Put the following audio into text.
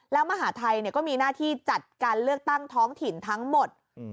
แล้วมหาทัยก็มีหน้าที่จัดการเลือกตั้งท้องถิ่นทั้งหมด